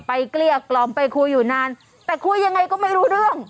เกลี้ยกล่อมไปคุยอยู่นานแต่คุยยังไงก็ไม่รู้เรื่อง